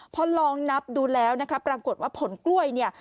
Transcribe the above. พอลองนับดูแล้วนะคะปรากฏว่าผลกล้วยเนี่ย